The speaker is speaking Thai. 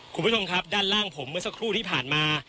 คุณผู้ชมครับด้านล่างผมเมื่อสักครู่ที่ผ่านมา